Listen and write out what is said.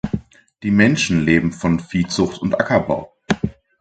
Die Menschen leben von Viehzucht und Ackerbau.